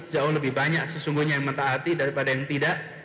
jauh lebih banyak sesungguhnya yang mentaati daripada yang tidak